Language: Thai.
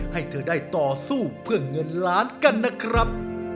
ให้เธอได้ต่อสู้เพื่อเงินล้านกันนะครับ